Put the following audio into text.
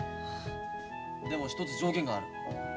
でも１つ条件がある。